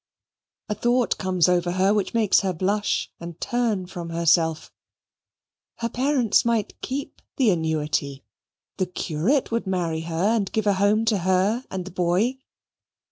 A thought comes over her which makes her blush and turn from herself her parents might keep the annuity the curate would marry her and give a home to her and the boy.